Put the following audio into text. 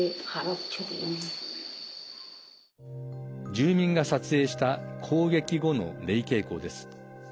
住民が撮影した攻撃後のレイケイコーです。